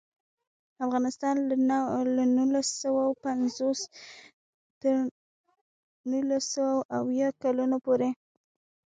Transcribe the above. افغانستان له نولس سوه پنځوس نه تر نولس سوه اویا کلونو پورې.